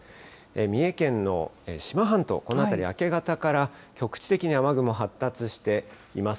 三重県の志摩半島、この辺りは明け方から局地的に雨雲発生しています。